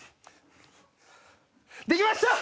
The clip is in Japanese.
できました！